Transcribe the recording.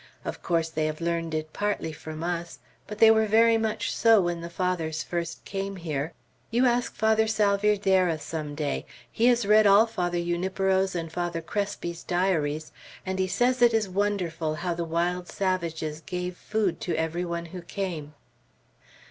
Of course they have learned it partly from us; but they were very much so when the Fathers first came here. You ask Father Salvierderra some day. He has read all Father Junipero's and Father Crespi's diaries, and he says it is wonderful how the wild savages gave food to every one who came."